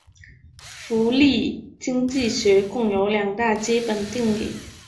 福利经济学共有两大基本定理。